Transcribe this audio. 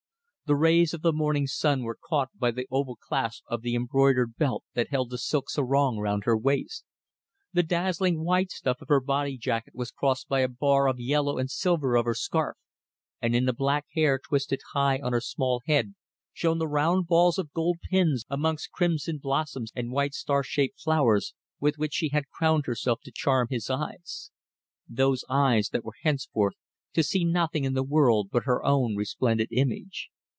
The rays of the morning sun were caught by the oval clasp of the embroidered belt that held the silk sarong round her waist. The dazzling white stuff of her body jacket was crossed by a bar of yellow and silver of her scarf, and in the black hair twisted high on her small head shone the round balls of gold pins amongst crimson blossoms and white star shaped flowers, with which she had crowned herself to charm his eyes; those eyes that were henceforth to see nothing in the world but her own resplendent image.